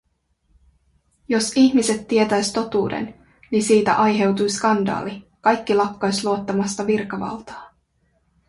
Jos ihmiset tietäis totuuden, ni siitä aiheutuis skandaali, kaikki lakkais luottamasta virkavaltaa.”